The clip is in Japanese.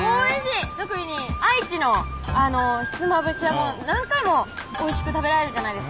特に愛知のひつまぶしは何回もおいしく食べられるじゃないですか